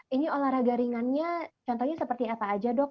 ini olahraga ringannya contohnya seperti apa aja dok